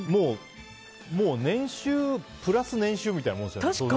もう、年収プラス年収みたいなものですよね。